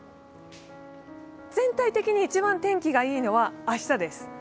全体的に一番天気がいいのは明日です。